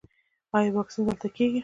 ایا واکسین دلته کیږي؟